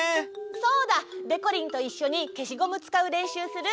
そうだ！でこりんといっしょにけしゴムつかうれんしゅうする？